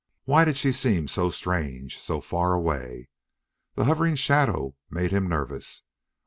Why did she seem so strange, so far away? The hovering shadows made him nervous.